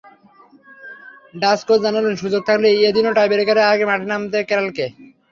Dutch coach জানালেন, সুযোগ থাকলে এদিনও টাইব্রেকারের আগে মাঠে নামাতেন ক্রালকে।